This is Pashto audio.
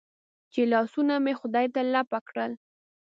چې لاسونه مې خدای ته لپه کړل.